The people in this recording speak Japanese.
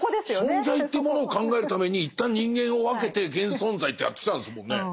存在ってものを考えるために一旦人間を分けて現存在ってやってきたんですもんね？